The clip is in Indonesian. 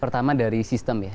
pertama dari sistem ya